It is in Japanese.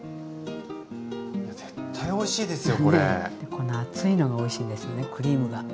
この厚いのがおいしいんですよねクリームが。